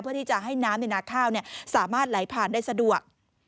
เพื่อที่จะให้น้ำในนาข้าวสามารถไหลผ่านได้สะดวก